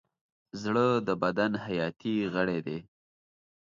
زړه د بدن حیاتي غړی دی.